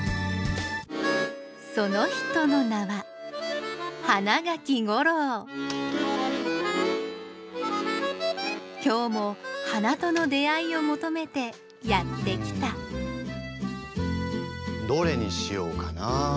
その人の名は今日も花との出会いを求めてやって来たどれにしようかな？